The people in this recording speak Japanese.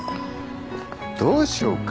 どうしようか？